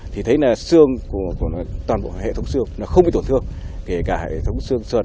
thì thấy là xương của toàn bộ hệ thống xương nó không bị tổn thương kể cả hệ thống sương sơn